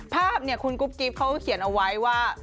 ภาพเนี่ยคุณกุ๊บกิ๊บเขาเขียนเอาไว้ว่า